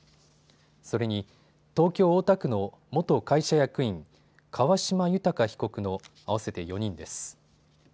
それに東京大田区の元会社役員、川島裕被告の合わせて４人です。